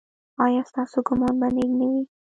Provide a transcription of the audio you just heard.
ایا ستاسو ګمان به نیک نه وي؟